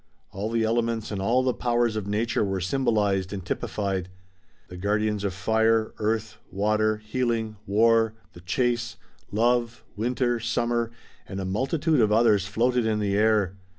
All the elements and all the powers of nature were symbolized and typified. The guardians of fire, earth, water, healing, war, the chase, love, winter, summer and a multitude of others, floated in the air.